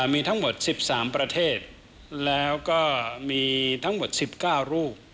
มีทั้งหมด๑๓ประเทศแล้วก็มีทั้งหมด๑๙รูป